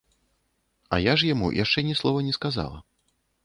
А я ж яму яшчэ ні слова не сказала.